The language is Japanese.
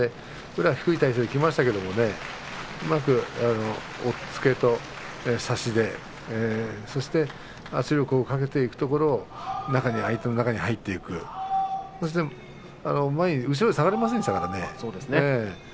宇良は低い体勢できましたけれどもうまく押っつけて、そして圧力をかけていくところを相手の中に入っていく後ろに下がりませんでしたからね。